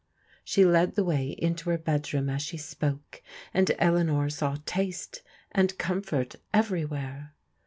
She led the way into her bedroom as she spoke, and Eleanor saw taste and comfort everywhere.